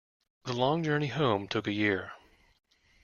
The long journey home took a year.